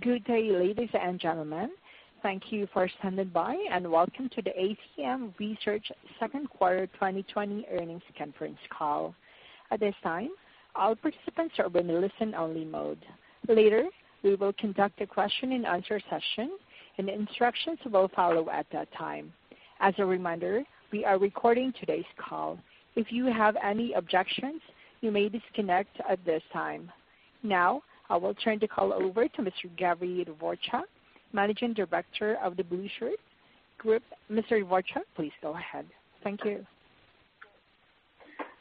Good day, ladies and gentlemen. Thank you for standing by and welcome to the ACM Research Second Quarter 2020 earnings conference call. At this time, all participants are in listen-only mode. Later, we will conduct a question-and-answer session, and instructions will follow at that time. As a reminder, we are recording today's call. If you have any objections, you may disconnect at this time. Now, I will turn the call over to Mr. Gary Dvorchak, Managing Director of the BlueShirt Group. Mr. Dvorchak, please go ahead. Thank you.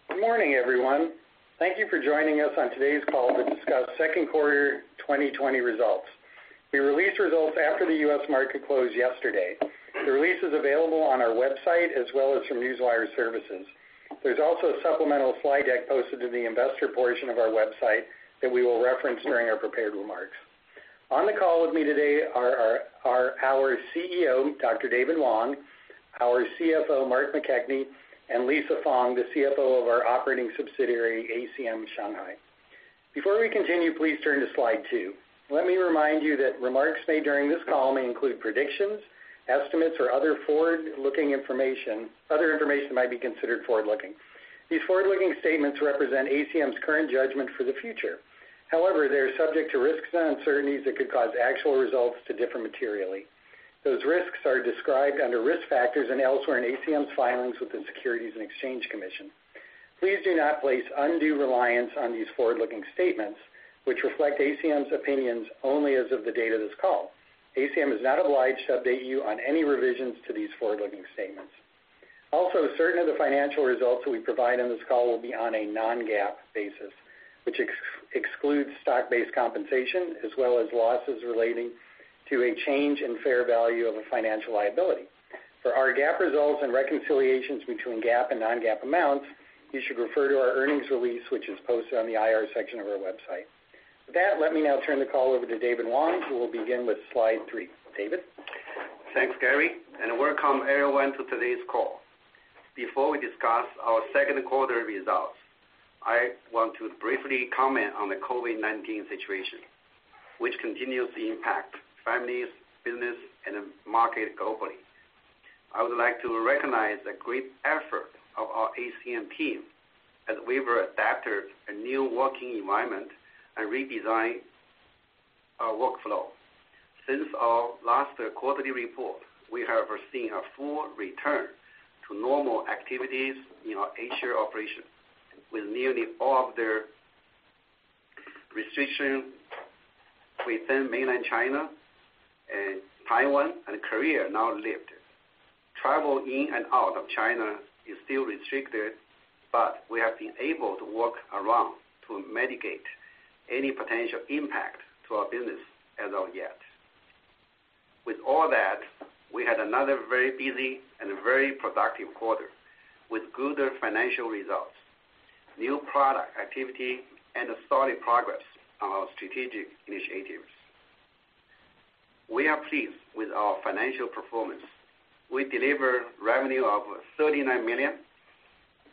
Good morning, everyone. Thank you for joining us on today's call to discuss Second Quarter 2020 results. We released results after the U.S. market closed yesterday. The release is available on our website as well as from Newswire Services. There is also a supplemental slide deck posted to the investor portion of our website that we will reference during our prepared remarks. On the call with me today are our CEO, Dr. David Wang, our CFO, Mark McKechnie, and Lisa Fang, the CFO of our operating subsidiary, ACM Shanghai. Before we continue, please turn to slide two. Let me remind you that remarks made during this call may include predictions, estimates, or other forward-looking information; other information might be considered forward-looking. These forward-looking statements represent ACM's current judgment for the future. However, they are subject to risks and uncertainties that could cause actual results to differ materially. Those risks are described under risk factors and elsewhere in ACM's filings with the Securities and Exchange Commission. Please do not place undue reliance on these forward-looking statements, which reflect ACM's opinions only as of the date of this call. ACM is not obliged to update you on any revisions to these forward-looking statements. Also, certain of the financial results that we provide in this call will be on a non-GAAP basis, which excludes stock-based compensation as well as losses relating to a change in fair value of a financial liability. For our GAAP results and reconciliations between GAAP and non-GAAP amounts, you should refer to our earnings release, which is posted on the IR section of our website. With that, let me now turn the call over to David Wang, who will begin with slide three. David. Thanks, Gary. A word from everyone for today's call. Before we discuss our second quarter results, I want to briefly comment on the COVID-19 situation, which continues to impact families, business, and the market globally. I would like to recognize the great effort of our ACM team as we've adapted a new working environment and redesigned our workflow. Since our last quarterly report, we have seen a full return to normal activities in our Asia operation, with nearly all of the restrictions within mainland China and Taiwan and Korea now lifted. Travel in and out of China is still restricted, but we have been able to work around to mitigate any potential impact to our business as of yet. With all that, we had another very busy and very productive quarter with good financial results, new product activity, and solid progress on our strategic initiatives. We are pleased with our financial performance. We delivered revenue of $39 million,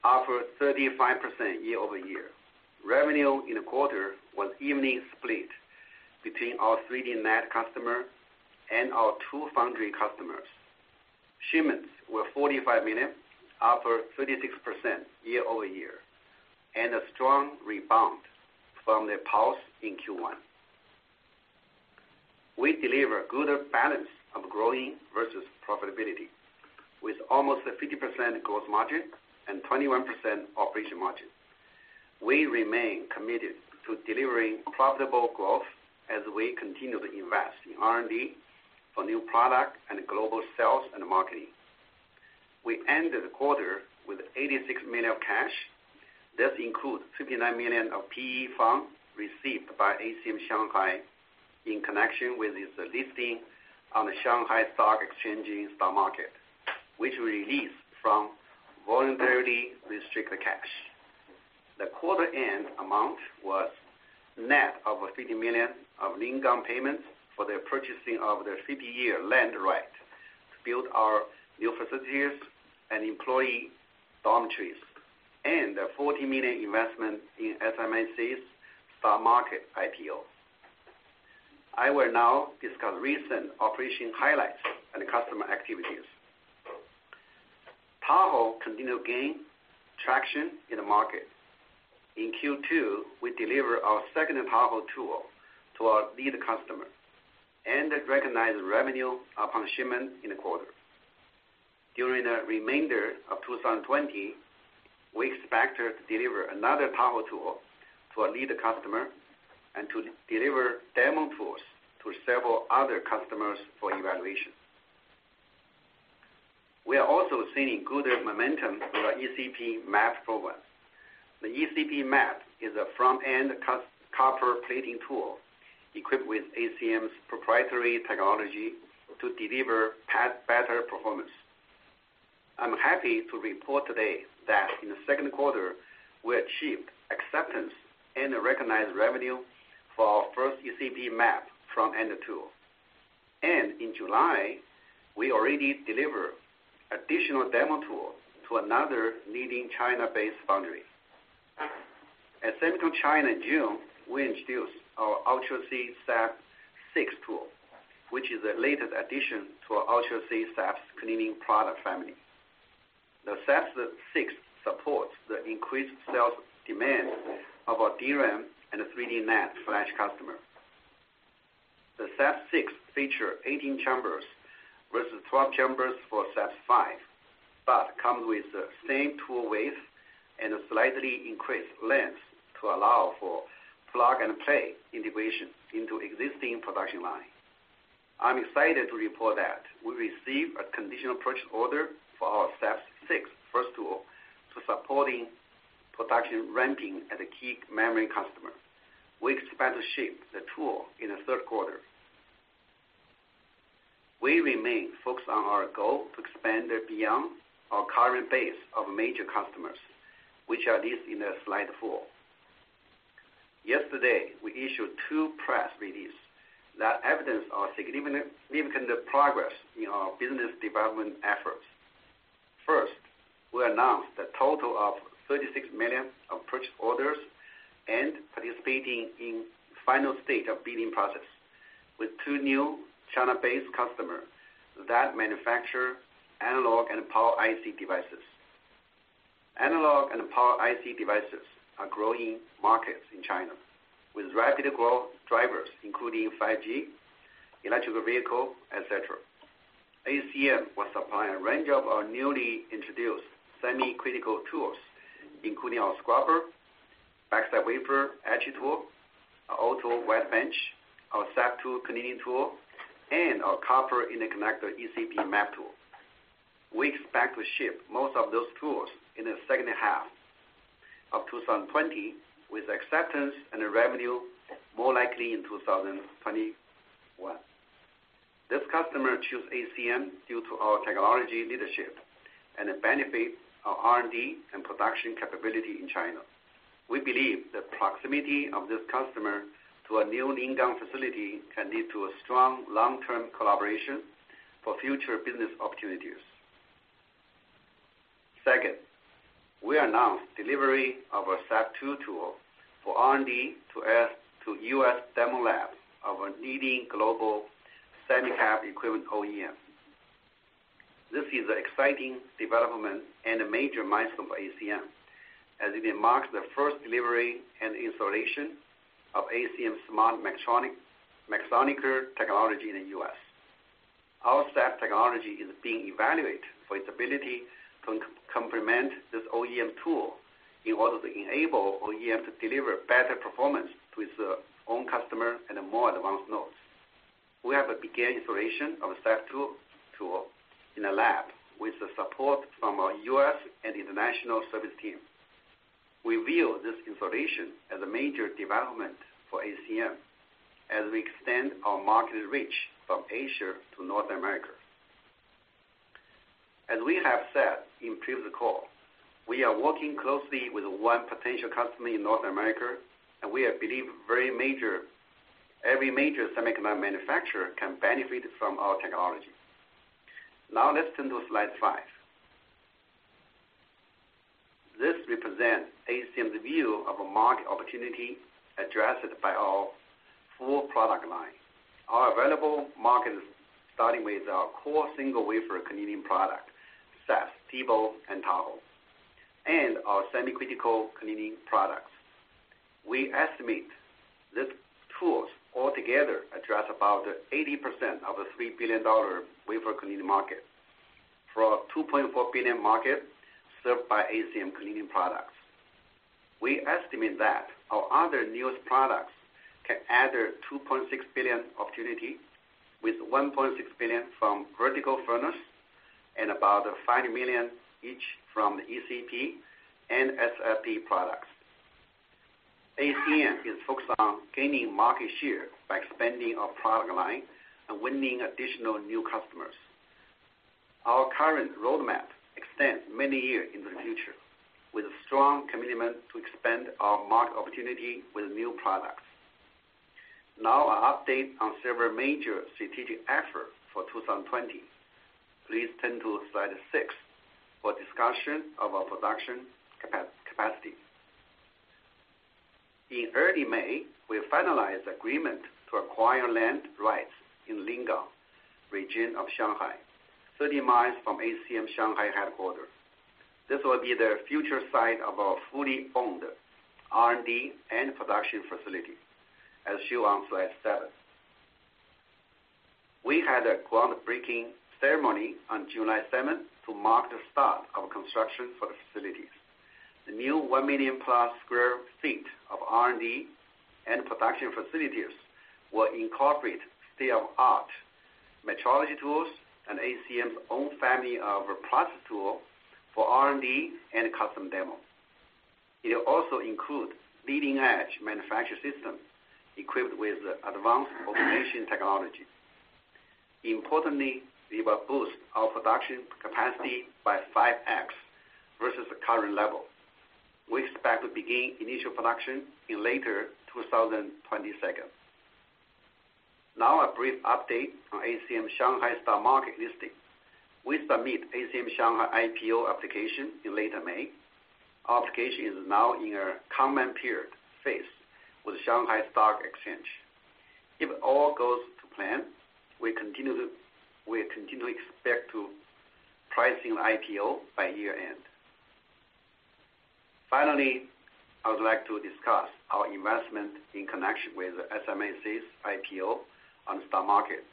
up 35% year over year. Revenue in the quarter was evenly split between our 3D NAND customer and our two foundry customers. Shipments were $45 million, up 36% year over year, and a strong rebound from the pause in Q1. We delivered a good balance of growth versus profitability, with almost 50% gross margin and 21% operating margin. We remain committed to delivering profitable growth as we continue to invest in R&D for new product and global sales and marketing. We ended the quarter with $86 million of cash. This includes $59 million of PE funds received by ACM Shanghai in connection with its listing on the Shanghai Stock Exchange stock market, which we released from voluntarily restricted cash. The quarter-end amount was net of $50 million of income payments for the purchasing of the 50-year land right to build our new facilities and employee dormitories, and the $40 million investment in SMIC's stock market IPO. I will now discuss recent operation highlights and customer activities. Tahoe continued to gain traction in the market. In Q2, we delivered our second Tahoe tool to our lead customer and recognized revenue upon shipment in the quarter. During the remainder of 2020, we expected to deliver another Tahoe tool to our lead customer and to deliver demo tools to several other customers for evaluation. We are also seeing good momentum through our ECP MAP program. The ECP MAP is a front-end copper plating tool equipped with ACM's proprietary technology to deliver better performance. I'm happy to report today that in the second quarter, we achieved acceptance and recognized revenue for our first ECP MAP front-end tool. In July, we already delivered additional demo tools to another leading China-based foundry. At Semicon China in June, we introduced our UltraSeed SAP 6 tool, which is the latest addition to our UltraSeed SAPs cleaning product family. The SAP 6 supports the increased sales demand of our DRAM and 3D NAND flash customer. The SAP 6 features 18 chambers versus 12 chambers for SAP 5, but comes with the same tool width and slightly increased length to allow for plug-and-play integration into existing production line. I'm excited to report that we received a conditional purchase order for our SAP 6 first tool to support production ramping at a key memory customer. We expect to ship the tool in the third quarter. We remain focused on our goal to expand beyond our current base of major customers, which are listed in slide four. Yesterday, we issued two press releases that evidence our significant progress in our business development efforts. First, we announced a total of $36 million of purchase orders and participating in the final stage of bidding process with two new China-based customers that manufacture analog and power IC devices. Analog and power IC devices are growing markets in China with rapid growth drivers including 5G, electric vehicles, etc. ACM will supply a range of our newly introduced semi-critical tools, including our scrubber, backside wafer edge tool, our auto wet bench, our SAP 2 cleaning tool, and our copper interconnector ECP MAP tool. We expect to ship most of those tools in the second half of 2020 with acceptance and revenue more likely in 2021. This customer chose ACM due to our technology leadership and the benefit of R&D and production capability in China. We believe the proximity of this customer to a new income facility can lead to a strong long-term collaboration for future business opportunities. Second, we announced delivery of our SAP 2 tool for R&D to add to U.S. demo labs of our leading global semi-cap equipment OEM. This is an exciting development and a major milestone for ACM as it marks the first delivery and installation of ACM's smart megasonix technology in the U.S. Our SAP technology is being evaluated for its ability to complement this OEM tool in order to enable OEMs to deliver better performance to its own customers and more advanced nodes. We have begun installation of the SAP 2 tool in a lab with support from our U.S. and international service team. We view this installation as a major development for ACM as we extend our market reach from Asia to North America. As we have said in previous calls, we are working closely with one potential customer in North America, and we believe every major semiconductor manufacturer can benefit from our technology. Now, let's turn to slide five. This represents ACM's view of a market opportunity addressed by our full product line. Our available market is starting with our core single wafer cleaning product, SAPs, TEBO, and Tahoe, and our semi-critical cleaning products. We estimate these tools altogether address about 80% of the $3 billion wafer cleaning market for a $2.4 billion market served by ACM cleaning products. We estimate that our other newest products can add a $2.6 billion opportunity, with $1.6 billion from vertical furnace and about $5 million each from the ECP and SFP products. ACM is focused on gaining market share by expanding our product line and winning additional new customers. Our current roadmap extends many years into the future with a strong commitment to expand our market opportunity with new products. Now, an update on several major strategic efforts for 2020. Please turn to slide six for discussion of our production capacity. In early May, we finalized the agreement to acquire land rights in Lingang region of Shanghai, 30 mi from ACM Shanghai headquarters. This will be the future site of our fully owned R&D and production facility, as shown on slide seven. We had a groundbreaking ceremony on July 7 to mark the start of construction for the facilities. The new 1 million plus sq ft of R&D and production facilities will incorporate state-of-the-art metrology tools and ACM's own family of process tools for R&D and custom demo. It will also include leading-edge manufacturing systems equipped with advanced automation technology. Importantly, we will boost our production capacity by 5X versus the current level. We expect to begin initial production in later 2022. Now, a brief update on ACM Shanghai stock market listing. We submit ACM Shanghai IPO application in late May. Our application is now in a common period phase with Shanghai Stock Exchange. If all goes to plan, we continue to expect to price in IPO by year-end. Finally, I would like to discuss our investment in connection with the SMIC's IPO on the stock market.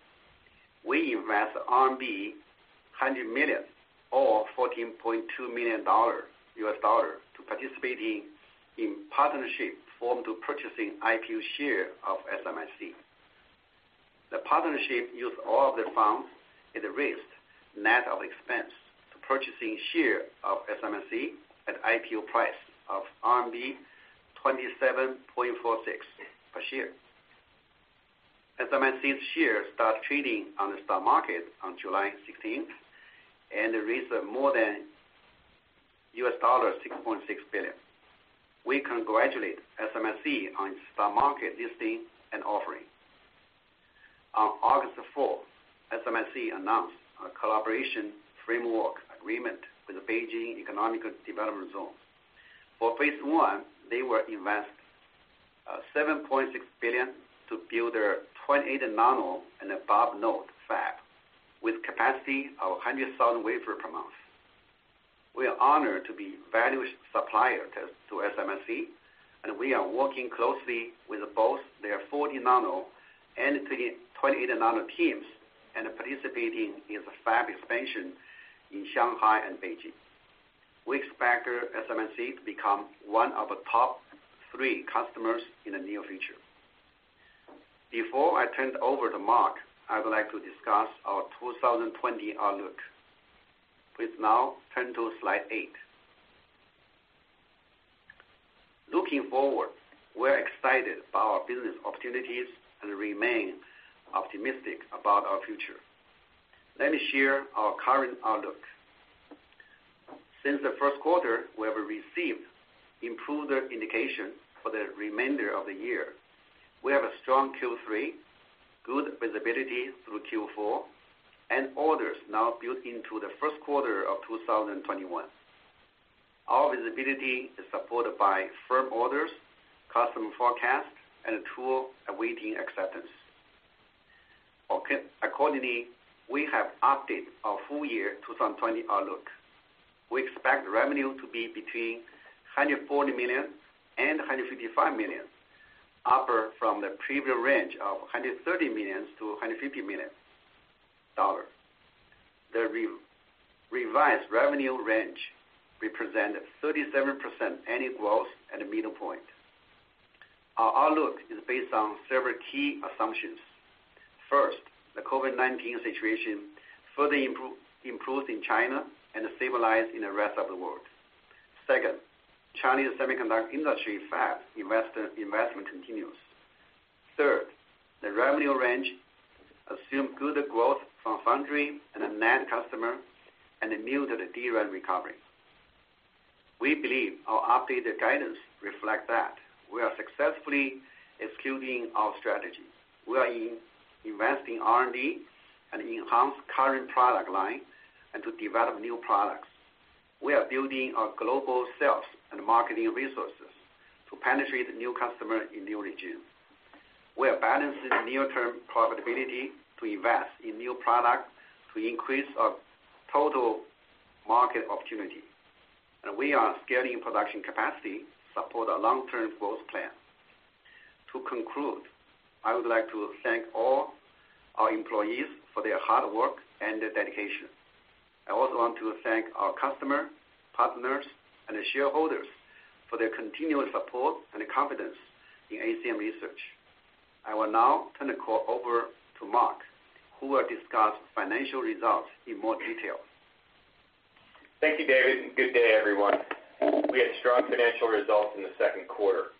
We invest RMB 100 million or $14.2 million to participate in partnership formed to purchasing IPO share of SMIC. The partnership used all of the funds at the risk net of expense to purchasing share of SMIC at IPO price of RMB 27.46 per share. SMIC's shares start trading on the stock market on July 16th and raised more than $6.6 billion. We congratulate SMIC on its stock market listing and offering. On August 4th, SMIC announced a collaboration framework agreement with the Beijing Economic Development Zone. For phase one, they will invest $7.6 billion to build their 28-nanometer and above node fab with capacity of 100,000 wafers per month. We are honored to be valued suppliers to SMIC, and we are working closely with both their 40-nanometer and 28-nanometer teams and participating in the fab expansion in Shanghai and Beijing. We expect SMIC to become one of the top three customers in the near future. Before I turn over to Mark, I would like to discuss our 2020 outlook. Please now turn to slide eight. Looking forward, we are excited about our business opportunities and remain optimistic about our future. Let me share our current outlook. Since the first quarter, we have received improved indications for the remainder of the year. We have a strong Q3, good visibility through Q4, and orders now built into the first quarter of 2021. Our visibility is supported by firm orders, customer forecasts, and a tool awaiting acceptance. Accordingly, we have updated our full year 2020 outlook. We expect revenue to be between $140 million and $155 million, upper from the previous range of $130 million-$150 million. The revised revenue range represents 37% annual growth at the midpoint. Our outlook is based on several key assumptions. First, the COVID-19 situation further improved in China and stabilized in the rest of the world. Second, Chinese semiconductor industry fab investment continues. Third, the revenue range assumed good growth from foundry and a net customer and a muted DRAM recovery. We believe our updated guidance reflects that we are successfully executing our strategy. We are investing in R&D and enhancing the current product line and to develop new products. We are building our global sales and marketing resources to penetrate new customers in new regions. We are balancing near-term profitability to invest in new products to increase our total market opportunity. We are scaling production capacity to support our long-term growth plan. To conclude, I would like to thank all our employees for their hard work and dedication. I also want to thank our customers, partners, and shareholders for their continued support and confidence in ACM Research. I will now turn the call over to Mark, who will discuss financial results in more detail. Thank you, David. Good day, everyone. We had strong financial results in the second quarter.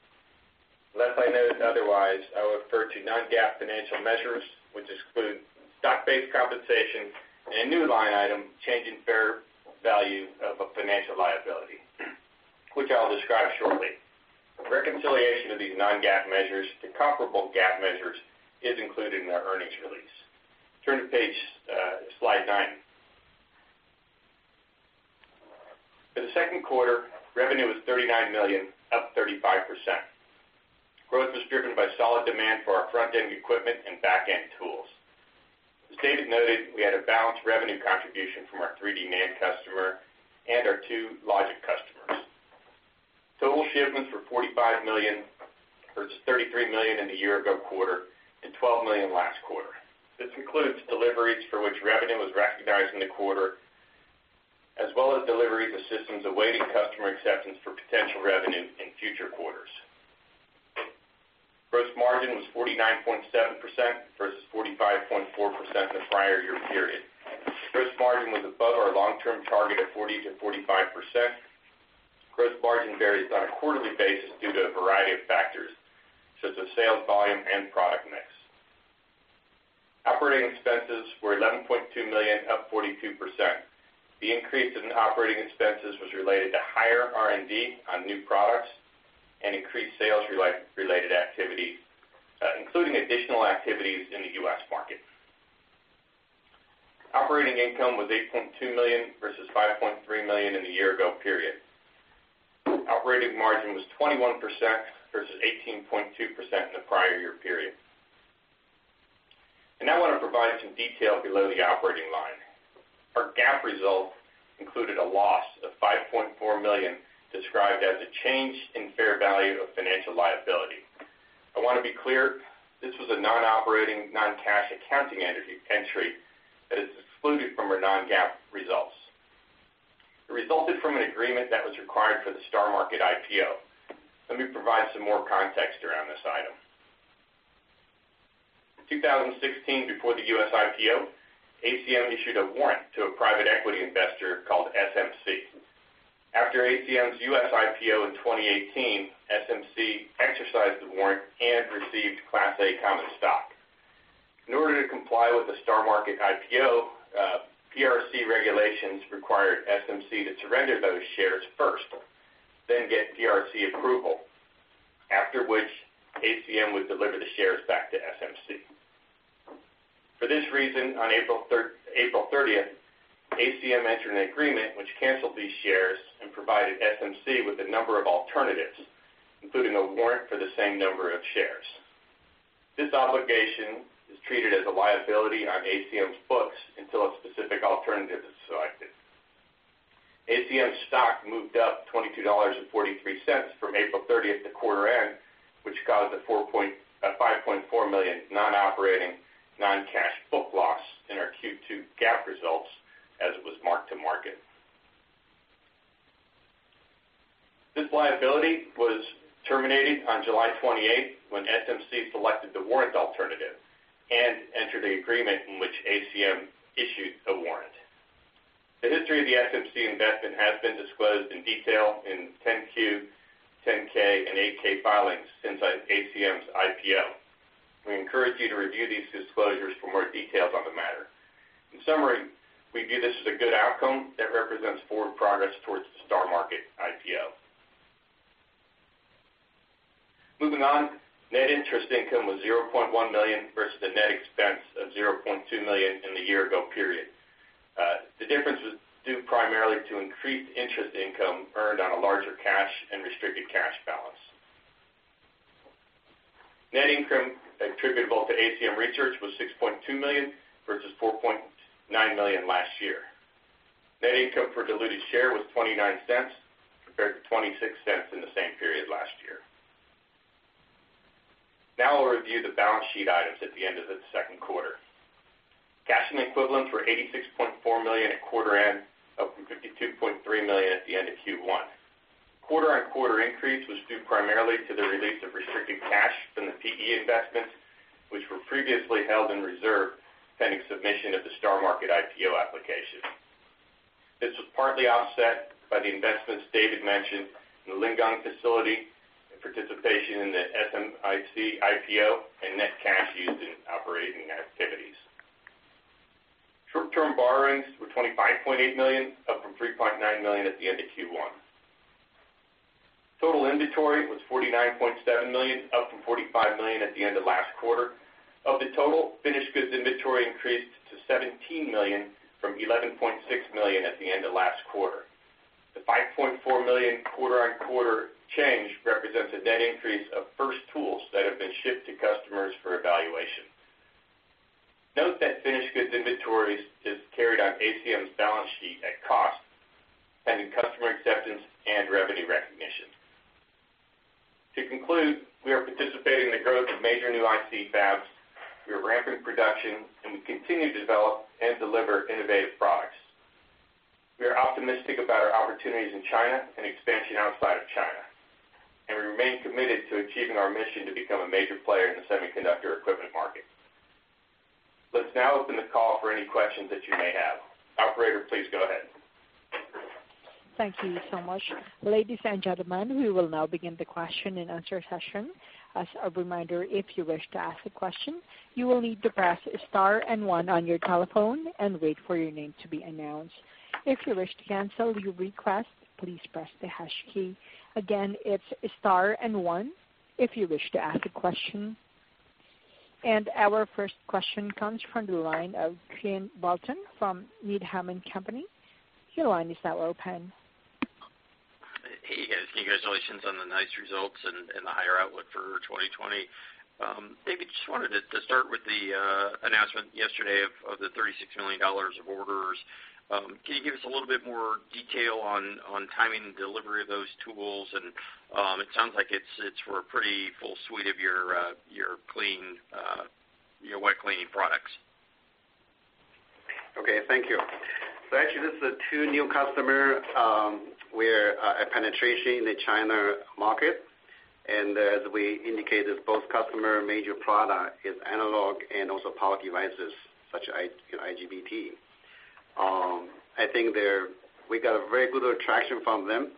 Unless I know otherwise, I will refer to non-GAAP financial measures, which include stock-based compensation and a new line item, changing fair value of a financial liability, which I'll describe shortly. Reconciliation of these non-GAAP measures to comparable GAAP measures is included in our earnings release. Turn to slide nine. For the second quarter, revenue was $39 million, up 35%. Growth was driven by solid demand for our front-end equipment and back-end tools. As David noted, we had a balanced revenue contribution from our 3D NAND customer and our two logic customers. Total shipments were $45 million, versus $33 million in the year-ago quarter and $12 million last quarter. This includes deliveries for which revenue was recognized in the quarter, as well as deliveries of systems awaiting customer acceptance for potential revenue in future quarters. Gross margin was 49.7% versus 45.4% in the prior year period. Gross margin was above our long-term target of 40-45%. Gross margin varies on a quarterly basis due to a variety of factors, such as sales volume and product mix. Operating expenses were $11.2 million, up 42%. The increase in operating expenses was related to higher R&D on new products and increased sales-related activities, including additional activities in the U.S. market. Operating income was $8.2 million versus $5.3 million in the year-ago period. Operating margin was 21% versus 18.2% in the prior year period. I want to provide some detail below the operating line. Our GAAP result included a loss of $5.4 million described as a change in fair value of financial liability. I want to be clear, this was a non-operating, non-cash accounting entry that is excluded from our non-GAAP results. It resulted from an agreement that was required for the stock market IPO. Let me provide some more context around this item. In 2016, before the U.S. IPO, ACM issued a warrant to a private equity investor called SMC. After ACM's U.S. IPO in 2018, SMC exercised the warrant and received Class A Common Stock. In order to comply with the stock market IPO, PRC regulations required SMC to surrender those shares first, then get PRC approval, after which ACM would deliver the shares back to SMC. For this reason, on April 30, ACM entered an agreement which canceled these shares and provided SMC with a number of alternatives, including a warrant for the same number of shares. This obligation is treated as a liability on ACM's books until a specific alternative is selected. ACM's stock moved up $22.43 from April 30th to quarter end, which caused a $5.4 million non-operating, non-cash book loss in our Q2 GAAP results as it was marked to market. This liability was terminated on July 28th when SMC selected the warrant alternative and entered the agreement in which ACM issued a warrant. The history of the SMC investment has been disclosed in detail in 10Q, 10K, and 8K filings since ACM's IPO. We encourage you to review these disclosures for more details on the matter. In summary, we view this as a good outcome that represents forward progress towards the stock market IPO. Moving on, net interest income was $0.1 million versus the net expense of $0.2 million in the year-ago period. The difference was due primarily to increased interest income earned on a larger cash and restricted cash balance. Net income attributable to ACM Research was $6.2 million versus $4.9 million last year. Net income per diluted share was $0.29 compared to $0.26 in the same period last year. Now I'll review the balance sheet items at the end of the second quarter. Cash and equivalents were $86.4 million at quarter end, up from $52.3 million at the end of Q1. Quarter-on-quarter increase was due primarily to the release of restricted cash from the PE investments, which were previously held in reserve pending submission of the stock market IPO application. This was partly offset by the investments David mentioned in the Lingang facility, participation in the SMIC IPO, and net cash used in operating activities. Short-term borrowings were $25.8 million, up from $3.9 million at the end of Q1. Total inventory was $49.7 million, up from $45 million at the end of last quarter. Of the total, finished goods inventory increased to $17 million from $11.6 million at the end of last quarter. The $5.4 million quarter-on-quarter change represents a net increase of first tools that have been shipped to customers for evaluation. Note that finished goods inventory is carried on ACM's balance sheet at cost pending customer acceptance and revenue recognition. To conclude, we are participating in the growth of major new IC fabs. We are ramping production, and we continue to develop and deliver innovative products. We are optimistic about our opportunities in China and expansion outside of China, and we remain committed to achieving our mission to become a major player in the semiconductor equipment market. Let's now open the call for any questions that you may have. Operator, please go ahead. Thank you so much. Ladies and gentlemen, we will now begin the question and answer session. As a reminder, if you wish to ask a question, you will need to press star and one on your telephone and wait for your name to be announced. If you wish to cancel your request, please press the hash key. Again, it is star and one if you wish to ask a question. Our first question comes from the line of Ken Walton from Needham & Company. Your line is now open. Hey, guys. Congratulations on the nice results and the higher outlook for 2020. David, just wanted to start with the announcement yesterday of the $36 million of orders. Can you give us a little bit more detail on timing and delivery of those tools? It sounds like it is for a pretty full suite of your wet cleaning products. Okay. Thank you. Actually, this is two new customers. We are at penetration in the China market. As we indicated, both customer major products are analog and also power devices such as IGBT. I think we got a very good attraction from them.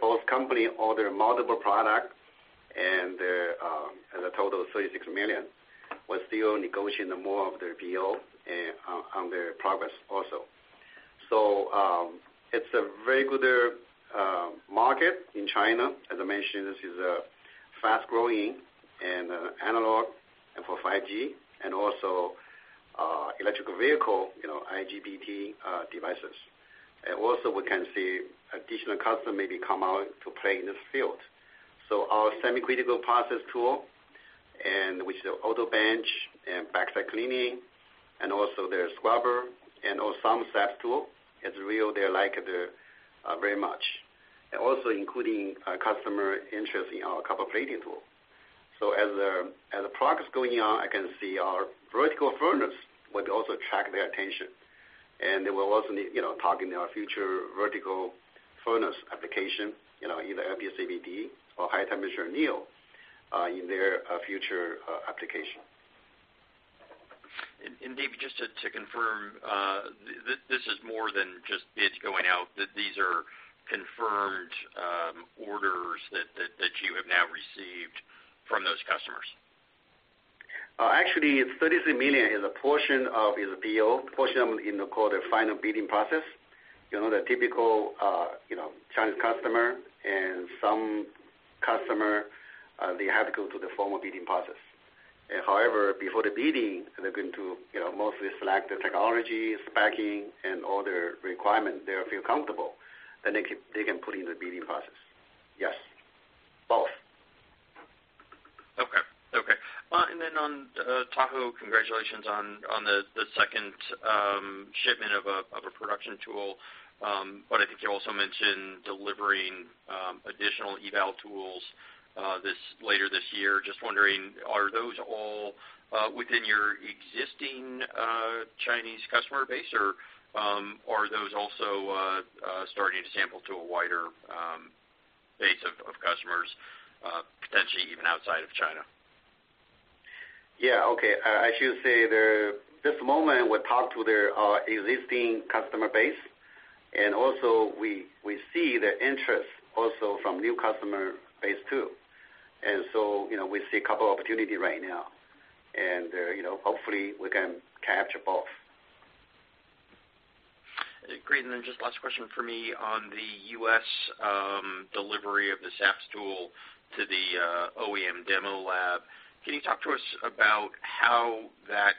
Both companies ordered multiple products, and as a total of $36 million, we're still negotiating more of their PO on their progress also. It is a very good market in China. As I mentioned, this is a fast-growing and analog for 5G and also electric vehicle IGBT devices. We can see additional customers maybe come out to play in this field. Our semi-critical process tool, which is the Auto wet bench and back-side cleaning, and also their scrubber and also some SAP tool, as real, they like it very much. Also including customer interest in our copper plating tool. As the progress going on, I can see our vertical furnace will also attract their attention. They will also be talking about future vertical furnace application, either MPCVD or high-temperature needle in their future application. David, just to confirm, this is more than just bids going out. These are confirmed orders that you have now received from those customers. Actually, $33 million is a portion of the PO, portion of the final bidding process. The typical Chinese customer and some customers, they have to go through the formal bidding process. However, before the bidding, they are going to mostly select the technology, specing, and all their requirements they feel comfortable. They can put in the bidding process. Yes. Both. Okay. Okay. On Tahoe, congratulations on the second shipment of a production tool. I think you also mentioned delivering additional eval tools later this year. Just wondering, are those all within your existing Chinese customer base, or are those also starting to sample to a wider base of customers, potentially even outside of China? Yeah. Okay. I should say this moment, we're talking to their existing customer base. Also, we see the interest also from new customer base too. We see a couple of opportunities right now. Hopefully, we can capture both. Great. Just last question for me on the U.S. delivery of the SAP tool to the OEM demo lab. Can you talk to us about how that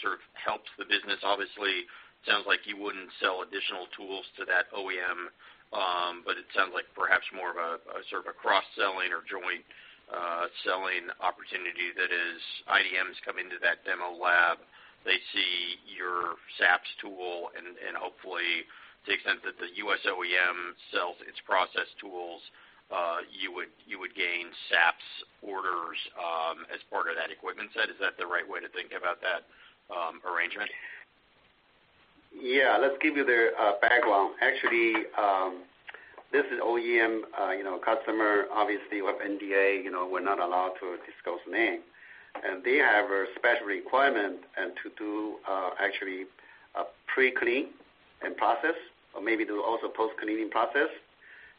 sort of helps the business? Obviously, it sounds like you wouldn't sell additional tools to that OEM, but it sounds like perhaps more of a sort of a cross-selling or joint-selling opportunity that is IDMs come into that demo lab. They see your SAP tool. Hopefully, to the extent that the U.S. OEM sells its process tools, you would gain SAP's orders as part of that equipment set. Is that the right way to think about that arrangement? Yeah. Let's give you the background. Actually, this is OEM customer. Obviously, we have NDA. We're not allowed to disclose name. They have a special requirement to do actually a pre-cleaning process, or maybe also post-cleaning process.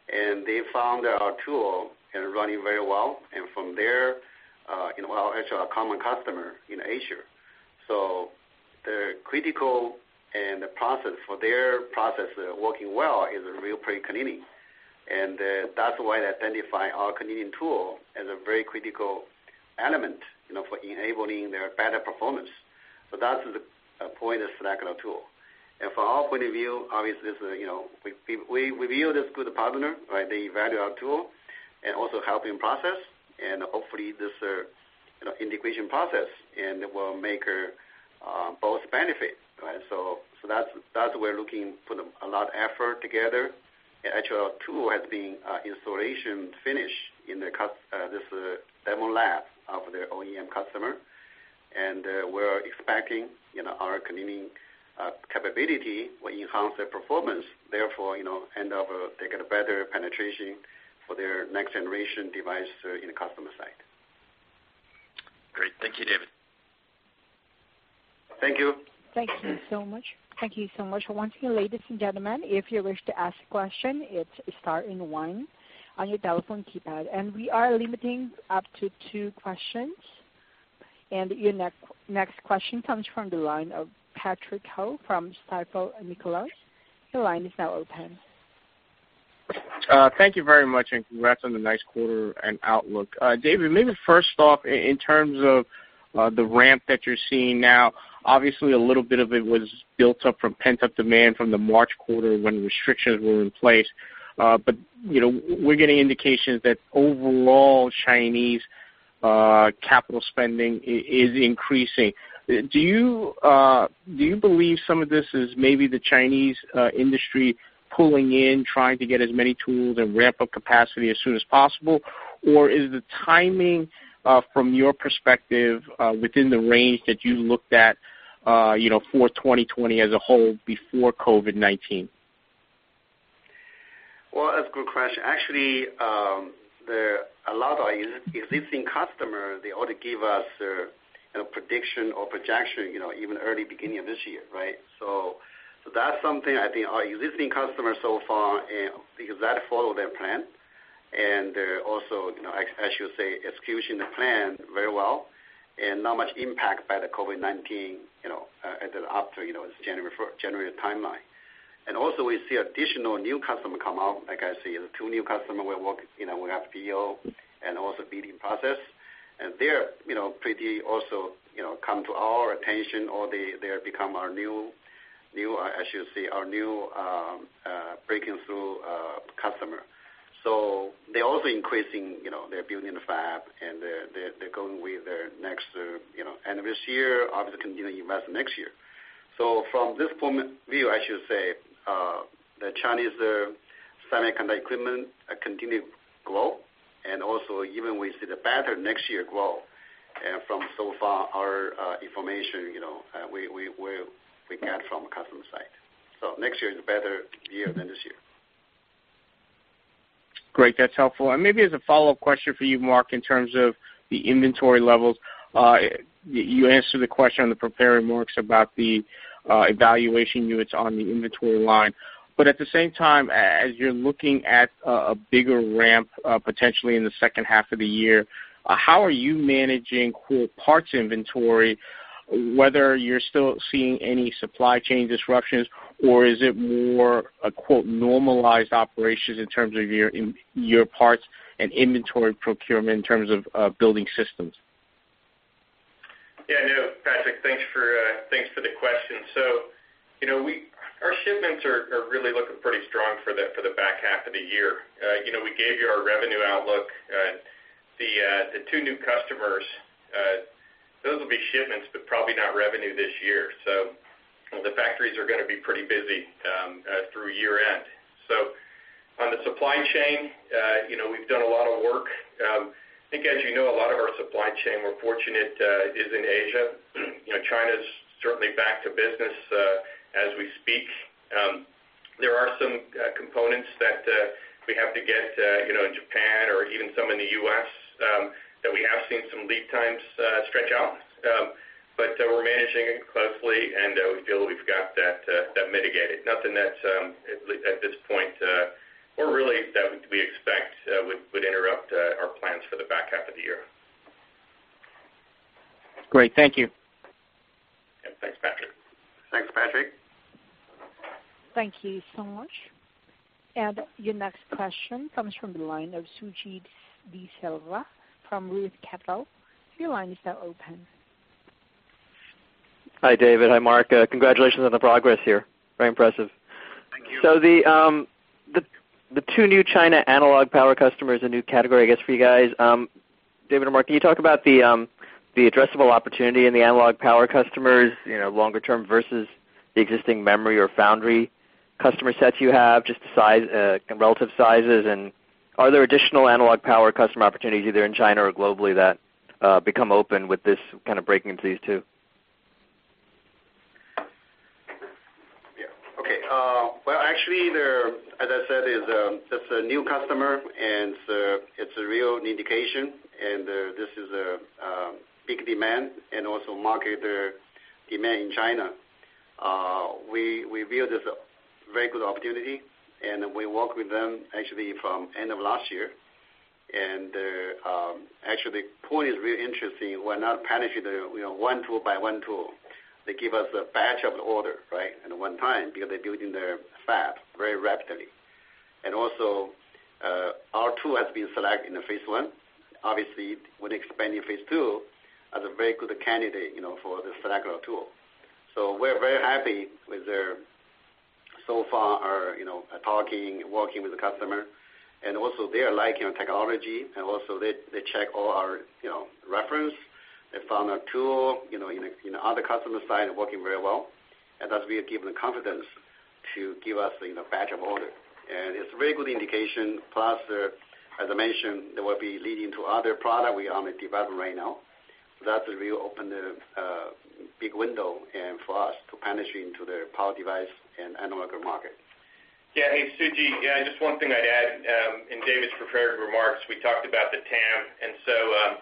They found our tool is running very well. From there, we're actually a common customer in Asia. The critical and the process for their process working well is a real pre-cleaning. That's why they identify our cleaning tool as a very critical element for enabling their better performance. That's the point of selecting a tool. From our point of view, obviously, we view this as a good partner. They value our tool and also help in process. Hopefully, this integration process will make both benefit. That is why we are looking for a lot of effort together. Actually, our tool has been installation finished in this demo lab of their OEM customer. We are expecting our cleaning capability will enhance their performance. Therefore, end of the day, get a better penetration for their next-generation device in the customer site. Great. Thank you, David. Thank you. Thank you so much. Thank you so much. Once again, ladies and gentlemen, if you wish to ask a question, it is star and one on your telephone keypad. We are limiting up to two questions. Your next question comes from the line of Patrick Ho from Stifel Nicolaus. The line is now open. Thank you very much and congrats on the nice quarter and outlook. David, maybe first off, in terms of the ramp that you're seeing now, obviously, a little bit of it was built up from pent-up demand from the March quarter when restrictions were in place. We are getting indications that overall Chinese capital spending is increasing. Do you believe some of this is maybe the Chinese industry pulling in, trying to get as many tools and ramp up capacity as soon as possible? Is the timing, from your perspective, within the range that you looked at for 2020 as a whole before COVID-19? That is a good question. Actually, a lot of existing customers, they already give us a prediction or projection even early beginning of this year, right? That is something I think our existing customers so far have followed their plan. They are also, I should say, executing the plan very well and not much impact by the COVID-19 after this January timeline. We see additional new customers come out. Like I said, there are two new customers we have PO and also bidding process. They pretty much also come to our attention or they become our new, I should say, our new breaking-through customer. They are also increasing their building the fab, and they are going with their next end of this year, obviously continue to invest next year. From this point of view, I should say the Chinese semiconductor equipment continues to grow. Even we see the better next year growth. From so far, our information we got from the customer side, next year is a better year than this year. Great. That's helpful. Maybe as a follow-up question for you, Mark, in terms of the inventory levels, you answered the question on the preparing marks about the evaluation units on the inventory line. At the same time, as you're looking at a bigger ramp potentially in the second half of the year, how are you managing parts inventory, whether you're still seeing any supply chain disruptions, or is it more a "normalized operations" in terms of your parts and inventory procurement in terms of building systems? Yeah. No, Patrick, thanks for the question. Our shipments are really looking pretty strong for the back half of the year. We gave you our revenue outlook. The two new customers, those will be shipments, but probably not revenue this year. The factories are going to be pretty busy through year-end. On the supply chain, we've done a lot of work. I think, as you know, a lot of our supply chain, we're fortunate, is in Asia. China's certainly back to business as we speak. There are some components that we have to get in Japan or even some in the U.S. that we have seen some lead times stretch out. We are managing it closely, and we feel we've got that mitigated. Nothing that at this point, or really that we expect, would interrupt our plans for the back half of the year. Great. Thank you. Yeah. Thanks, Patrick. Thanks, Patrick. Thank you so much. Your next question comes from the line of Sujit De Silva from ROTH Capital. Your line is now open. Hi, David. Hi, Mark. Congratulations on the progress here. Very impressive. Thank you. The two new China analog power customers are a new category, I guess, for you guys. David and Mark, can you talk about the addressable opportunity in the analog power customers longer term versus the existing memory or foundry customer sets you have, just the relative sizes? Are there additional analog power customer opportunities either in China or globally that become open with this kind of breaking into these two? Yeah. Okay. Actually, as I said, it's a new customer, and it's a real indication. This is a big demand and also market demand in China. We view this as a very good opportunity, and we worked with them actually from the end of last year. Actually, the point is really interesting. We're not penetrating one tool by one tool. They give us a batch of the order at one time because they're building their fab very rapidly. Also, our tool has been selected in phase one. Obviously, when expanding phase two, that's a very good candidate for the selector tool. We are very happy with their so far talking, working with the customer. They are liking our technology. They check all our reference. They found our tool in other customer sites and working very well. That really gives them confidence to give us a batch of order. It's a very good indication. Plus, as I mentioned, there will be leading to other products we are on the development right now. That's a real open big window for us to penetrate into their power device and analog market. Yeah. Hey, Suji. Yeah. Just one thing I'd add in David's prepared remarks. We talked about the TAM.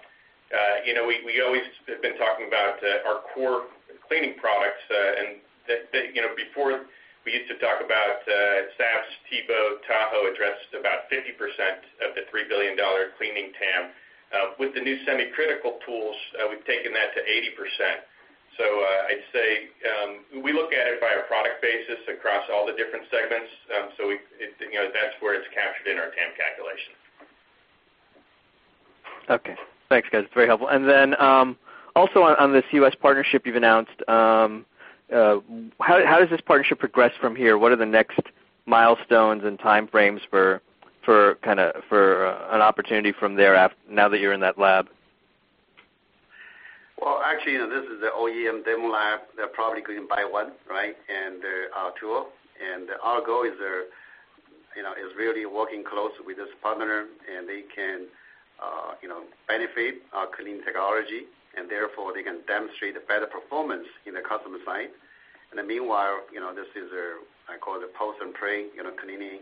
We always have been talking about our core cleaning products. Previously, we used to talk about SAPs, TVO, Tahoe addressed about 50% of the $3 billion cleaning TAM. With the new semi-critical tools, we have taken that to 80%. I would say we look at it by a product basis across all the different segments. That is where it is captured in our TAM calculation. Okay. Thanks, guys. It is very helpful. Also, on this U.S. partnership you have announced, how does this partnership progress from here? What are the next milestones and time frames for kind of an opportunity from there now that you are in that lab? Actually, this is the OEM demo lab. They are probably going to buy one, right, and our tool. Our goal is really working close with this partner, and they can benefit our cleaning technology. Therefore, they can demonstrate a better performance on the customer side. Meanwhile, this is, I call it, post-and-pre-cleaning.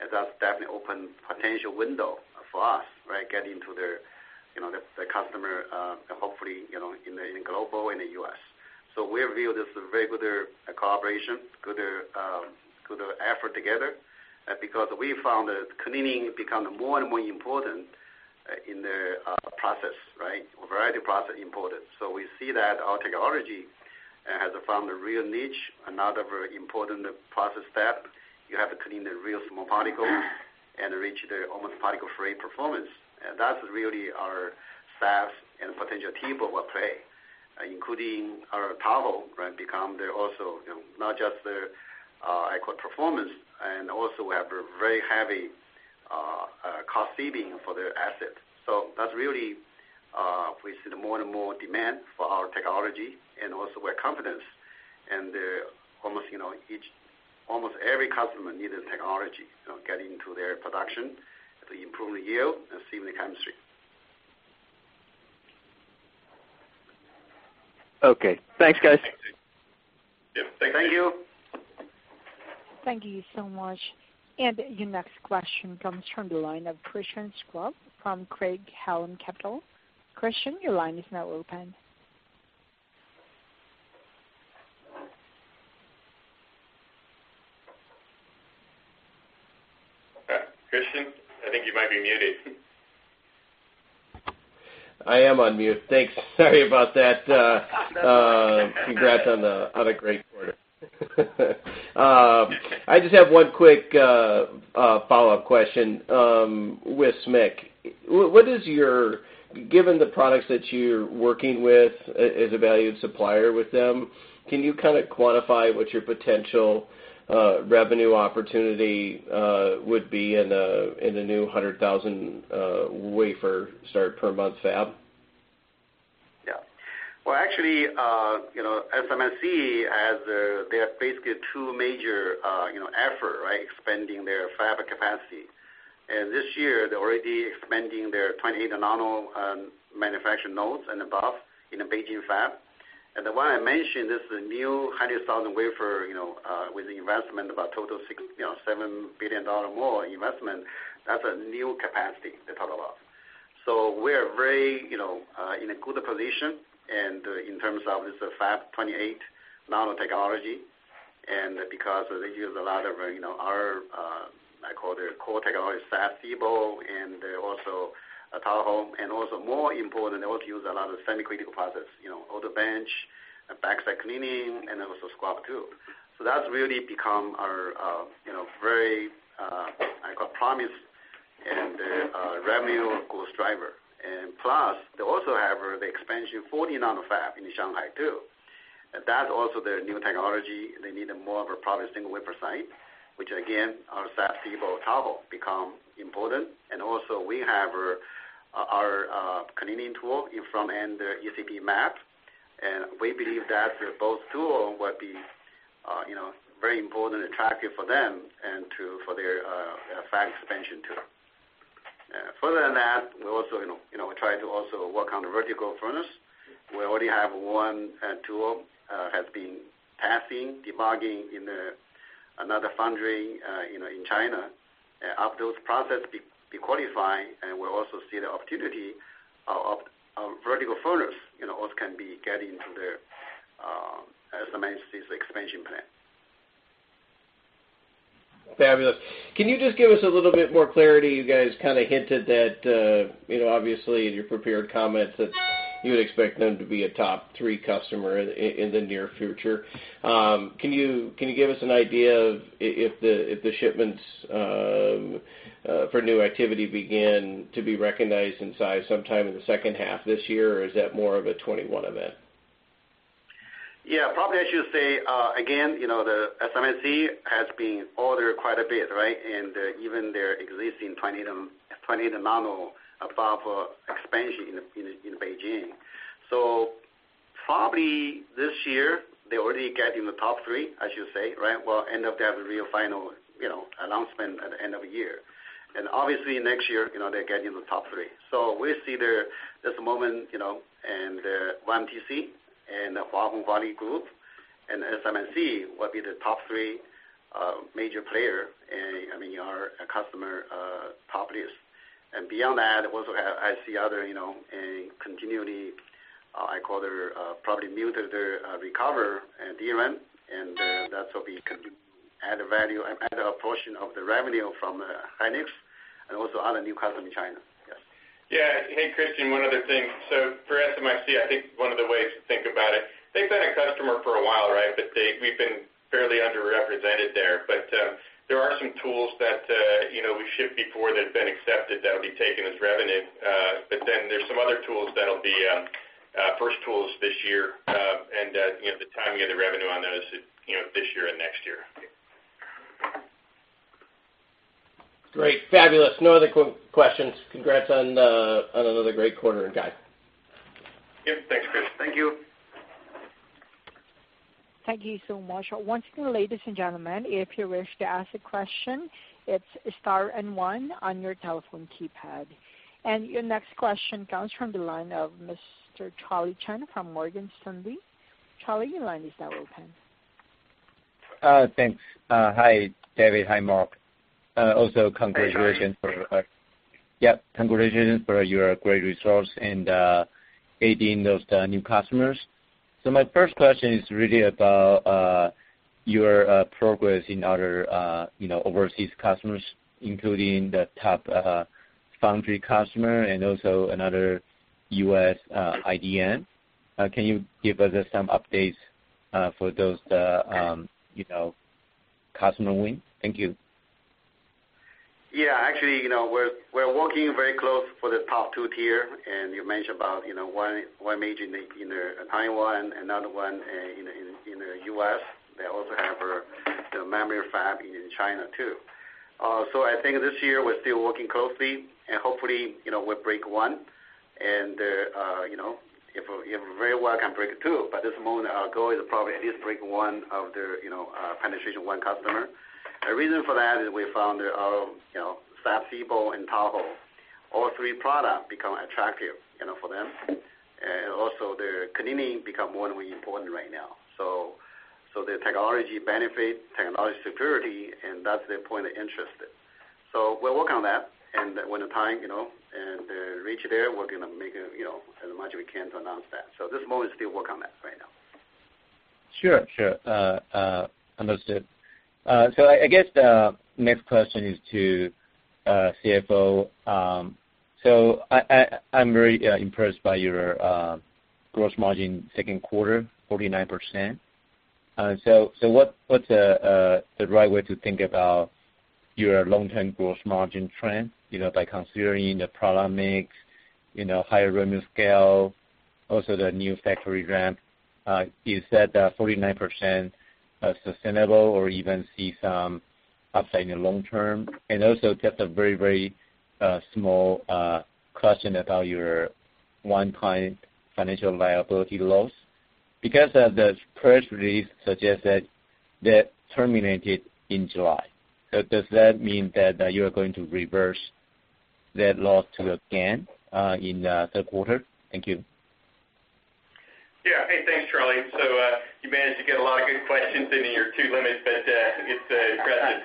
That's definitely an open potential window for us, right, getting to the customer, hopefully, in global and the U.S. We view this as a very good collaboration, good effort together, because we found that cleaning becomes more and more important in their process, right, a variety of process important. We see that our technology has found a real niche, another very important process step. You have to clean the real small particles and reach their almost particle-free performance. That's really our SAPs and potential TEBO playing, including our Tahoe, right, become there also not just their, I call it, performance, and also we have a very heavy cost saving for their assets. That's really we see more and more demand for our technology and also with confidence. Almost every customer needs this technology to get into their production to improve the yield and see the chemistry. Okay. Thanks, guys. Yeah. Thank you. Thank you. Thank you so much. Your next question comes from the line of Christian Schwab from Craig-Hallum Capital. Christian, your line is now open. Christian, I think you might be muted. I am on mute. Thanks. Sorry about that. Congrats on a great quarter. I just have one quick follow-up question with SMIC. Given the products that you're working with as a valued supplier with them, can you kind of quantify what your potential revenue opportunity would be in the new 100,000 wafer start per month fab? Yeah. Actually, SMIC has their basically two major efforts, right, expanding their fab capacity. This year, they're already expanding their 28-nanometer manufacturing nodes and above in the Beijing fab. The one I mentioned, this is a new 100,000 wafer with investment of about a total of $7 billion more investment. That is a new capacity they are talking about. We are very in a good position in terms of this fab 28-nanometer technology. Because they use a lot of our, I call it, core technology, SAPs, TEBO, and also Tahoe. Also, more important, they also use a lot of semi-critical process, auto wet bench, backside cleaning, and also scrubber too. That really becomes our very, I call it, promise and revenue growth driver. Plus, they also have the expansion 40-nanometer fab in Shanghai too. That is also their new technology. They need more of a probably single wafer site, which again, our SAPs, TEBO, Tahoe become important. Also, we have our cleaning tool in front-end ECP MAP. We believe that both tools will be very important and attractive for them and for their fab expansion too. Further than that, we also try to also work on vertical furnace. We already have one tool that has been testing, debugging in another foundry in China. After those processes be qualified, and we'll also see the opportunity of vertical furnace also can be getting into their SMIC's expansion plan. Fabulous. Can you just give us a little bit more clarity? You guys kind of hinted that, obviously, in your prepared comments that you would expect them to be a top three customer in the near future. Can you give us an idea of if the shipments for new activity begin to be recognized in size sometime in the second half of this year, or is that more of a 2021 event? Yeah. Probably, I should say, again, the SMIC has been ordered quite a bit, right, and even their existing 28-nanometer above expansion in Beijing. Probably this year, they're already getting the top three, I should say, right, end of the real final announcement at the end of the year. Obviously, next year, they're getting the top three. We see there's a moment and the Yangtze Memory Technologies and the Hua Hong Semiconductor Group and SMIC will be the top three major players in our customer top list. Beyond that, also I see other continually, I call it, probably mutated recover and DRAM, and that will be added value and added a portion of the revenue from SK hynix and also other new customers in China. Yes. Yeah. Hey, Christian, one other thing. For SMIC, I think one of the ways to think about it, they've been a customer for a while, right, but we've been fairly underrepresented there. There are some tools that we shipped before that have been accepted that will be taken as revenue. Then there's some other tools that will be first tools this year, and the timing of the revenue on those this year and next year. Great. Fabulous. No other questions. Congrats on another great quarter, guys. Yep. Thanks, Christian. Thank you. Thank you so much. Once again, ladies and gentlemen, if you wish to ask a question, it's star and one on your telephone keypad. Your next question comes from the line of Mr. Charlie Chen from Morgan Stanley. Charlie, your line is now open. Thanks. Hi, David. Hi, Mark. Also, congratulations for. Thank you. Yep. Congratulations for your great results in aiding those new customers. My first question is really about your progress in other overseas customers, including the top foundry customer and also another U.S. IDM. Can you give us some updates for those customer wins? Thank you. Yeah. Actually, we're working very close for the top two tier. You mentioned about one major in Taiwan, another one in the U.S. They also have their memory fab in China too. I think this year, we're still working closely, and hopefully, we'll break one. If we're very well, can break two. At this moment, our goal is probably at least break one of their penetration one customer. The reason for that is we found that our SAPs, TEBO, and Tahoe, all three products become attractive for them. Also, their cleaning becomes more and more important right now. The technology benefit, technology security, and that's their point of interest. We're working on that. When the time and reach there, we're going to make as much as we can to announce that. At this moment, we're still working on that right now. Sure. Sure. Understood. I guess the next question is to CFO. I'm very impressed by your gross margin second quarter, 49%. What's the right way to think about your long-term gross margin trend by considering the product mix, higher revenue scale, also the new factory ramp? Is that 49% sustainable or even see some upside in the long term? Also, just a very, very small question about your one-time financial liability loss. Because the press release suggests that that terminated in July. Does that mean that you are going to reverse that loss again in the third quarter? Thank you. Yeah. Hey, thanks, Charlie. You managed to get a lot of good questions into your two limits, but it's impressive.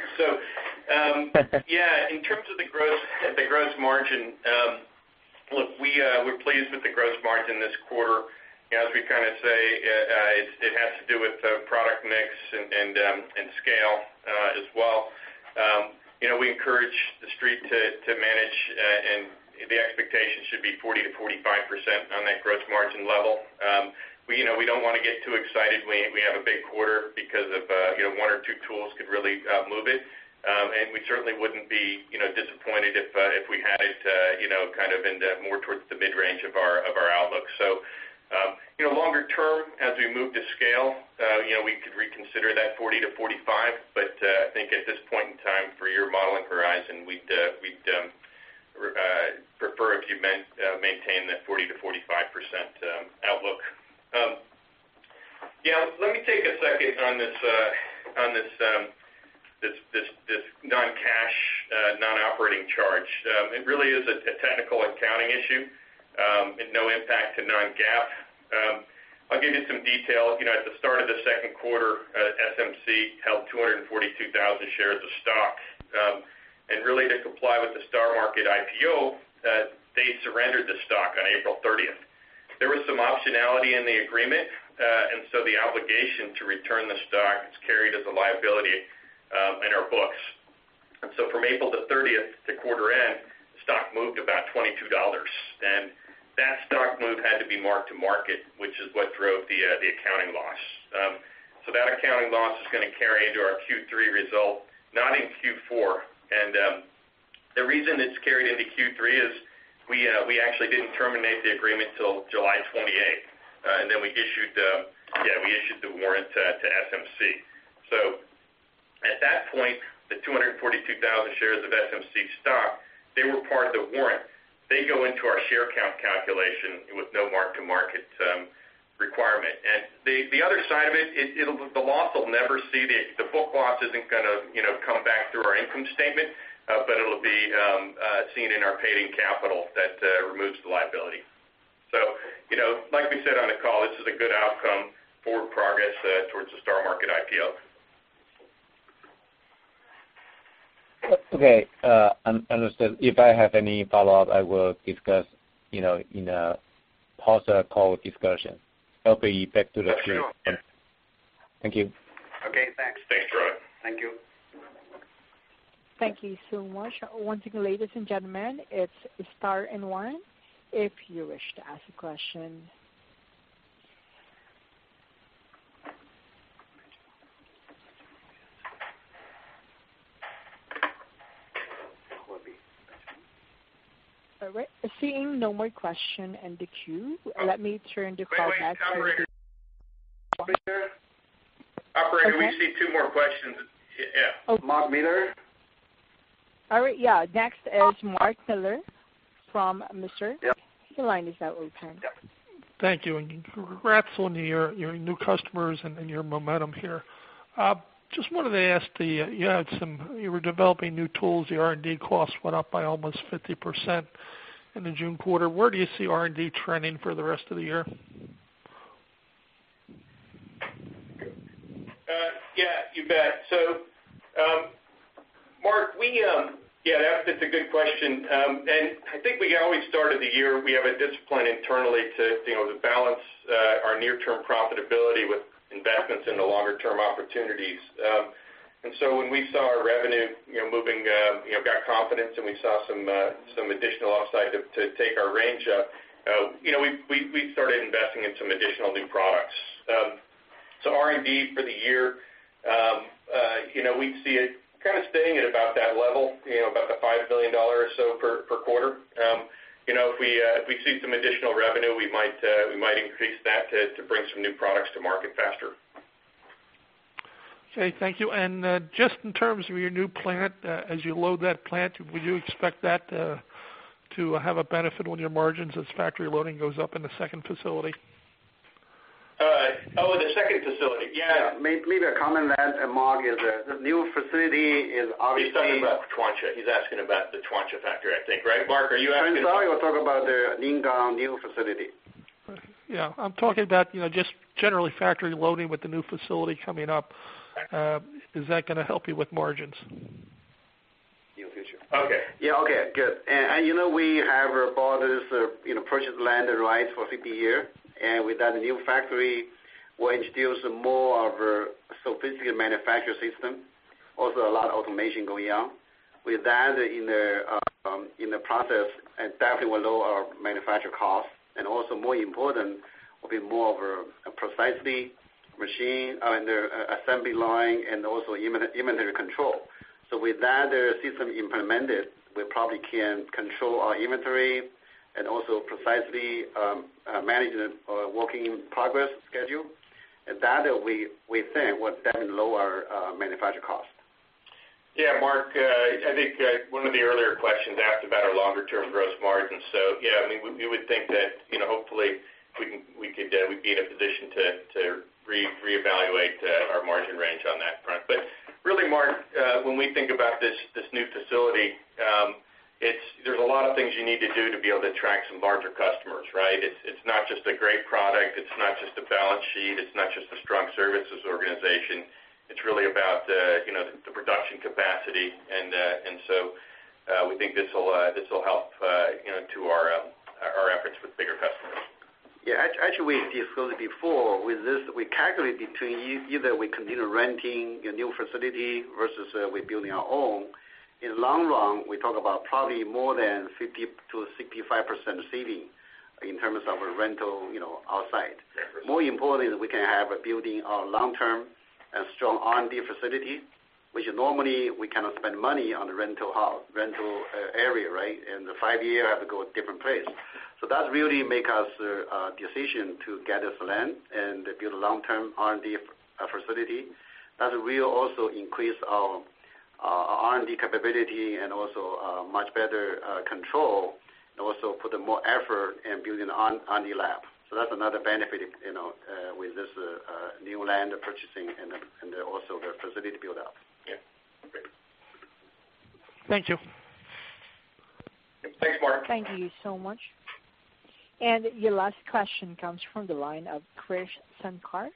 Yeah, in terms of the gross margin, look, we're pleased with the gross margin this quarter. As we kind of say, it has to do with product mix and scale as well. We encourage the street to manage, and the expectation should be 40-45% on that gross margin level. We don't want to get too excited. We have a big quarter because one or two tools could really move it. We certainly wouldn't be disappointed if we had it kind of in more towards the mid-range of our outlook. Longer term, as we move to scale, we could reconsider that 40-45%. I think at this point in time, for your modeling horizon, we'd prefer if you maintain the 40-45% outlook. Yeah. Let me take a second on this non-cash, non-operating charge. It really is a technical accounting issue and no impact to non-GAAP. I'll give you some detail. At the start of the second quarter, SMC held 242,000 shares of stock. Really, to comply with the Star Market IPO, they surrendered the stock on April 30. There was some optionality in the agreement, and so the obligation to return the stock is carried as a liability in our books. From April 30 to quarter end, the stock moved about $22. That stock move had to be marked to market, which is what drove the accounting loss. That accounting loss is going to carry into our Q3 result, not in Q4. The reason it is carried into Q3 is we actually did not terminate the agreement until July 28. We issued the warrant to SMC. At that point, the 242,000 shares of SMC stock were part of the warrant. They go into our share count calculation with no mark-to-market requirement. The other side of it, the loss will never see the book. The loss is not going to come back through our income statement, but it will be seen in our paid-in capital that removes the liability. Like we said on the call, this is a good outcome, forward progress towards the Star Market IPO. Okay. Understood. If I have any follow-up, I will discuss in a post-call discussion. Okay. Back to the street. Thank you. Okay. Thanks. Thanks, Charlie. Thank you. Thank you so much. Once again, ladies and gentlemen, it is star and one if you wish to ask a question. All right. Seeing no more questions in the queue, let me turn the call back to Mr. Mark Miller. Operator, we see two more questions. Yeah. Mark Miller. All right. Yeah. Next is Mark Miller from Mr. The line is now open. Thank you. And congrats on your new customers and your momentum here. Just wanted to ask, you had some you were developing new tools. The R&D cost went up by almost 50% in the June quarter. Where do you see R&D trending for the rest of the year? Yeah. You bet. Mark, that is a good question. I think we can always start at the year. We have a discipline internally to balance our near-term profitability with investments in the longer-term opportunities. When we saw our revenue moving, got confidence, and we saw some additional upside to take our range up, we started investing in some additional new products. R&D for the year, we'd see it kind of staying at about that level, about the $5 billion or so per quarter. If we see some additional revenue, we might increase that to bring some new products to market faster. Thank you. In terms of your new plant, as you load that plant, would you expect that to have a benefit on your margins as factory loading goes up in the second facility? Oh, the second facility. Yeah. Maybe a comment on that, Mark, is the new facility is obviously. He's talking about Chuancha. He's asking about the Chuancha factory, I think, right? Mark, are you asking about? I'm sorry. We're talking about the Lingang new facility. Yeah. I'm talking about just generally factory loading with the new facility coming up. Is that going to help you with margins? In the future. Okay. Yeah. Okay. Good. We have bought this purchased land and rights for 50 years. With that new factory, we'll introduce more of a sophisticated manufacturing system. Also, a lot of automation going on. With that in the process, it definitely will lower our manufacturing costs. Also, more important, will be more of a precise machine on the assembly line and also inventory control. With that system implemented, we probably can control our inventory and also precisely manage the working progress schedule. That, we think, will definitely lower our manufacturing costs. Yeah. Mark, I think one of the earlier questions asked about our longer-term gross margin. Yeah, I mean, we would think that hopefully, we could be in a position to reevaluate our margin range on that front. Really, Mark, when we think about this new facility, there are a lot of things you need to do to be able to attract some larger customers, right? It's not just a great product. It's not just a balance sheet. It's not just a strong services organization. It's really about the production capacity. We think this will help to our efforts with bigger customers. Yeah. Actually, we discussed it before. With this, we calculate between either we continue renting a new facility versus we're building our own. In the long run, we talk about probably more than 50-65% saving in terms of rental outside. More importantly, we can have a building our long-term and strong R&D facility, which normally we cannot spend money on the rental area, right? The five-year have to go a different place. That really makes us a decision to get this land and build a long-term R&D facility. That will also increase our R&D capability and also much better control and also put more effort in building the R&D lab. That is another benefit with this new land purchasing and also the facility build-up. Yeah. Great. Thank you. Thanks, Mark. Thank you so much. Your last question comes from the line of Chris Sengar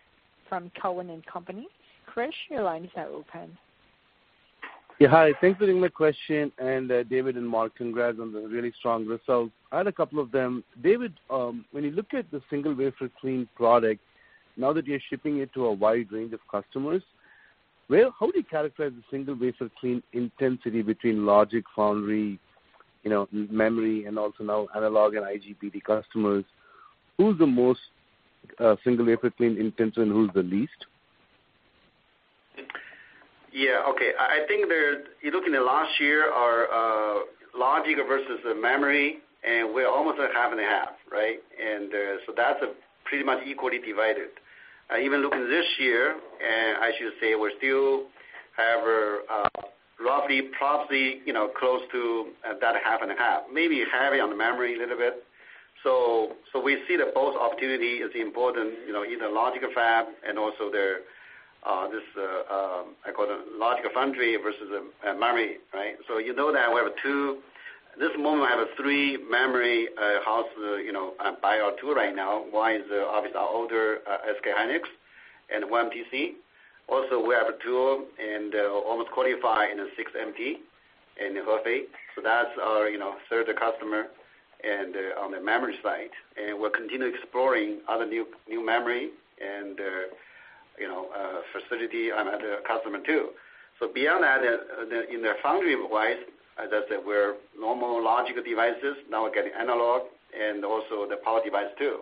from Cowen & Company. Chris, your line is now open. Yeah. Hi. Thanks for the question. David and Mark, congrats on the really strong results. I had a couple of them. David, when you look at the single-wafer clean product, now that you're shipping it to a wide range of customers, how do you characterize the single-wafer clean intensity between logic, foundry, memory, and also now analog and IGBT customers? Who's the most single-wafer clean intensive and who's the least? Yeah. Okay. I think you're looking at last year, our logic versus the memory, and we're almost at half and a half, right? And so that's pretty much equally divided. Even looking this year, I should say we're still, however, roughly close to that half and a half, maybe heavy on the memory a little bit. We see that both opportunities are important, either logic or fab, and also this I call it logic foundry versus memory, right? You know that we have two at this moment, we have three memory houses buy our tool right now. One is obviously our older SK hynix and YMTC. Also, we have a tool and almost qualified in a CXMT in Hefei. That is our third customer on the memory side. We are continuing exploring other new memory and facility. I am a customer too. Beyond that, in the foundry wise, as I said, we are normal logical devices. Now we are getting analog and also the power device too.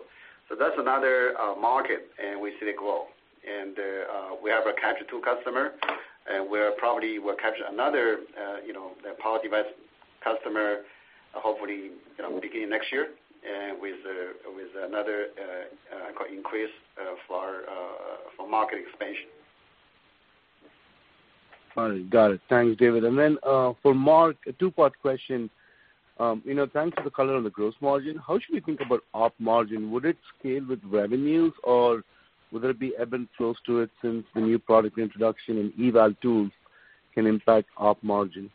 That is another market, and we see the growth. We have a capture two customer, and we are probably going to capture another power device customer hopefully beginning next year with another increase for market expansion. Got it. Thanks, David. For Mark, a two-part question. Thanks for the color on the gross margin. How should we think about op margin? Would it scale with revenues, or would there be ebb and flows to it since the new product introduction and eval tools can impact op margin?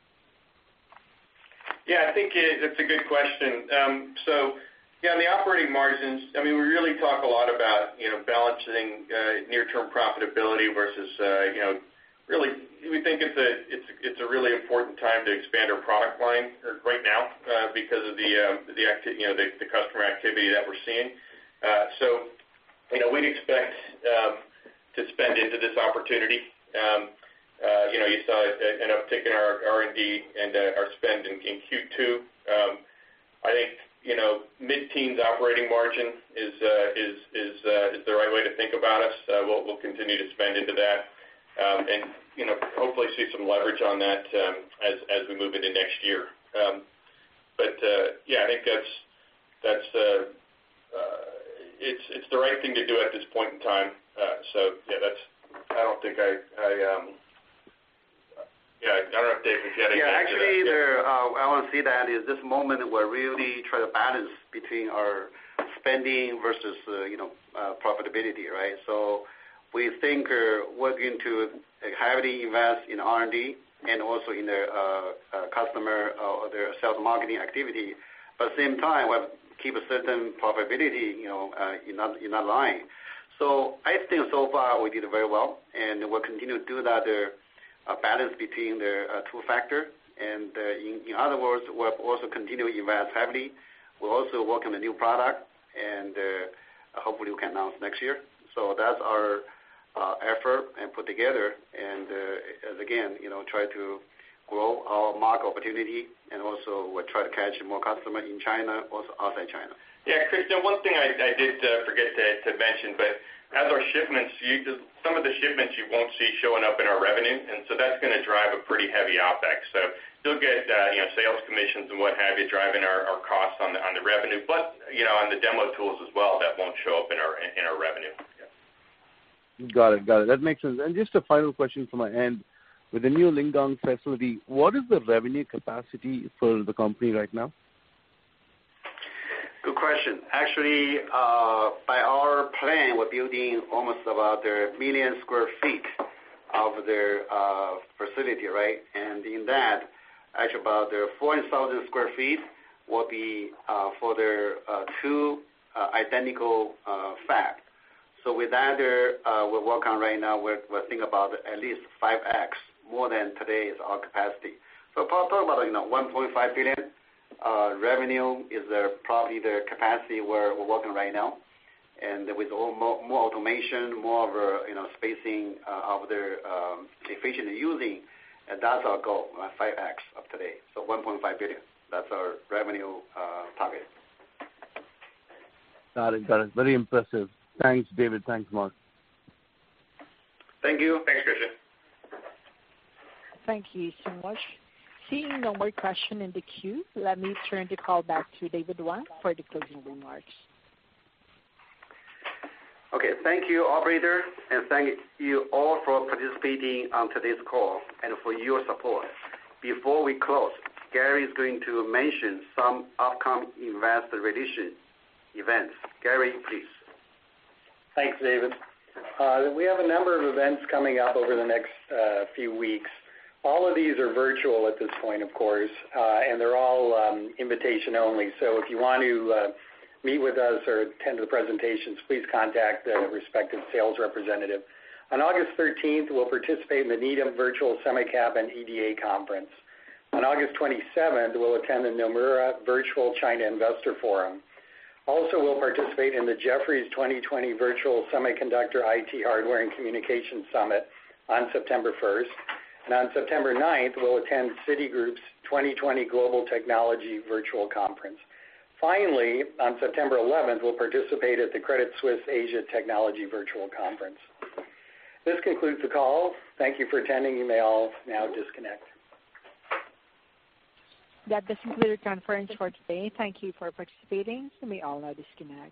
Yeah. I think that's a good question. Yeah, on the operating margins, I mean, we really talk a lot about balancing near-term profitability versus really, we think it's a really important time to expand our product line right now because of the customer activity that we're seeing. We'd expect to spend into this opportunity. You saw it end up taking our R&D and our spend in Q2. I think mid-teens operating margin is the right way to think about us. We'll continue to spend into that and hopefully see some leverage on that as we move into next year. Yeah, I think it's the right thing to do at this point in time. Yeah, I don't think I, yeah, I don't know if David, if you had anything to add. Yeah. Actually, I want to say that at this moment, we're really trying to balance between our spending versus profitability, right? We think we're going to heavily invest in R&D and also in their customer or their sales marketing activity. At the same time, we have to keep a certain profitability in that line. I think so far we did very well, and we'll continue to do that balance between the two factors. In other words, we'll also continue to invest heavily. We'll also work on the new product, and hopefully, we can announce next year. That's our effort and put together. Again, try to grow our market opportunity, and also we'll try to catch more customers in China, also outside China. Yeah. Chris, one thing I did forget to mention, but as our shipments, some of the shipments you won't see showing up in our revenue. That is going to drive a pretty heavy OpEx. You'll get sales commissions and what have you driving our costs on the revenue, but on the demo tools as well, that won't show up in our revenue. Got it. Got it. That makes sense. Just a final question from my end. With the new Lingang facility, what is the revenue capacity for the company right now? Good question. Actually, by our plan, we're building almost about 1 million sq ft of their facility, right? In that, actually about 400,000 sq ft will be for their two identical fabs. With that, we're working on right now, we're thinking about at least 5X more than today's our capacity. Talking about $1.5 billion revenue is probably the capacity where we're working right now. With more automation, more of a spacing of their efficient using, and that's our goal, 5X of today. $1.5 billion, that's our revenue target. Got it. Got it. Very impressive. Thanks, David. Thanks, Mark. Thank you. Thanks, Chris. Thank you so much. Seeing no more questions in the queue, let me turn the call back to David Wang for the closing remarks. Thank you, Operator, and thank you all for participating on today's call and for your support. Before we close, Gary is going to mention some upcoming investor relationship events. Gary, please. Thanks, David. We have a number of events coming up over the next few weeks. All of these are virtual at this point, of course, and they're all invitation only. If you want to meet with us or attend the presentations, please contact the respective sales representative. On August 13, we will participate in the Needham Virtual Semicab and EDA Conference. On August 27, we will attend the Nomura Virtual China Investor Forum. Also, we will participate in the Jefferies 2020 Virtual Semiconductor IT Hardware and Communication Summit on September 1. On September 9, we will attend Citigroup's 2020 Global Technology Virtual Conference. Finally, on September 11, we will participate at the Credit Suisse Asia Technology Virtual Conference. This concludes the call. Thank you for attending. You may all now disconnect. That does conclude our conference for today. Thank you for participating. You may all now disconnect.